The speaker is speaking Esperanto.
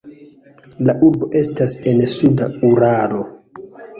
La urbo estas en suda Uralo.